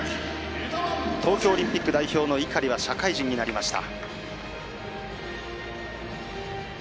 東京オリンピック代表の井狩は社会人になりました。